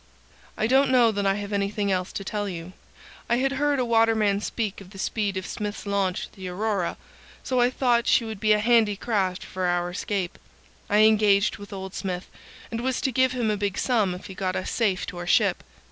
"I don't know that I have anything else to tell you. I had heard a waterman speak of the speed of Smith's launch the Aurora, so I thought she would be a handy craft for our escape. I engaged with old Smith, and was to give him a big sum if he got us safe to our ship.